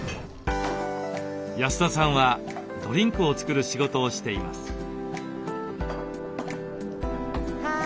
安田さんはドリンクを作る仕事をしています。